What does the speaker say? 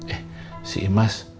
eh si imas